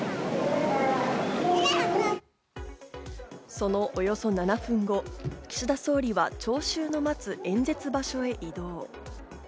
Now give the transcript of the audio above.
そのおよそ７分後、岸田総理は聴衆の待つ演説場所へ移動。